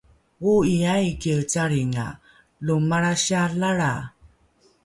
Oo'i aikie calringa, lo malra siyalalra